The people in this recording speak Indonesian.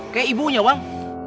kayak ibunya bang